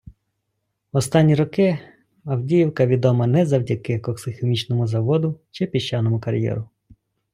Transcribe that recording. В останні роки Авдіївка відома не завдяки коксохімічному заводу чи піщаному кар’єру.